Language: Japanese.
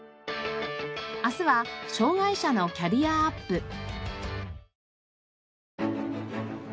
明日は障がい者のキャリアアップ。